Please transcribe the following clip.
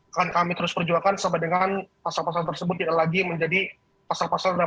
akan kami terus perjuangkan sampai dengan pasal pasal tersebut tidak lagi menjadi pasal pasal